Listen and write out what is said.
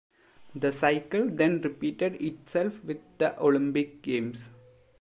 The cycle then repeated itself with the Olympic Games.